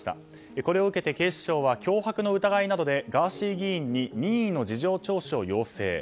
これを受けて警視庁は脅迫の疑いなどでガーシー議員に任意の事情聴取を要請。